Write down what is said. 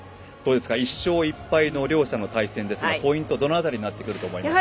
１勝１敗の両者の対戦ですがポイント、どの辺りになってくると思いますか？